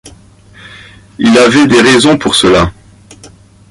Il y avait des raisons pour cela.